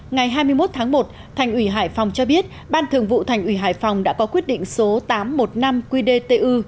ngày hai mươi một tháng một thành ủy hải phòng cho biết ban thường vụ thành ủy hải phòng đã có quyết định số tám trăm một mươi năm qdtu